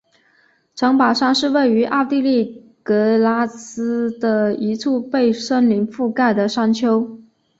城堡山是位于奥地利格拉兹的一处被森林覆盖的山丘。